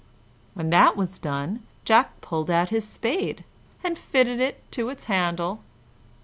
When that was done, Jack pulled out his spade, and fitted it to its handle.